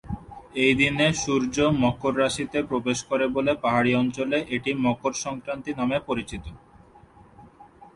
এই দিনে সূর্য মকর রাশিতে প্রবেশ করে বলে পাহাড়ি অঞ্চলে এটি মকর সংক্রান্তি নামে পরিচিত।